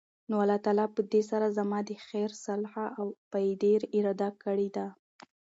نو الله تعالی پدي سره زما د خير، صلاح او فائدي اراده کړي ده